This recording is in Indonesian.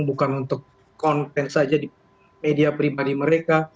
bukan untuk konten saja di media pribadi mereka